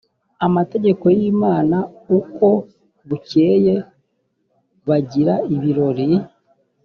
amategeko y imana uko bukeye bagira ibirori